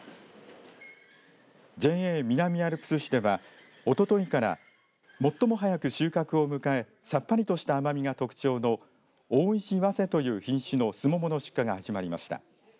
ＪＡ南アルプス市ではおとといから最も早く収穫を迎えさっぱりとした甘みが特徴の大石早生という品種のスモモの出荷が始まりました。